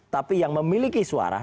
tapi yang memiliki suara